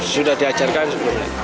sudah diajarkan sebelumnya